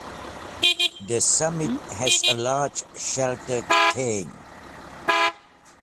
The summit has a large shelter cairn.